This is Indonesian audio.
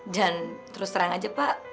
dan terus terang aja pak